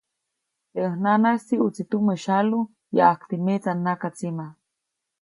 Teʼ ʼäj nanaʼis tsiʼutsi tumä syalu yajkti metsa nakatsima.